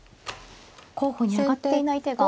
候補に挙がっていない手が。